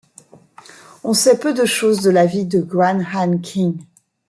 On sait peu de chose de la vie de Guan Hanqing.